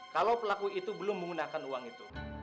kalau pelaku itu belum menggunakan uang itu